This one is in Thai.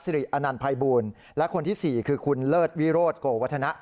อนันตภัยบูลและคนที่สี่คือคุณเลิศวิโรธโกวัฒนะ